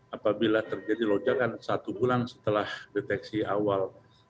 apabila terjadi lonjakan satu bulan setelah deteksi awal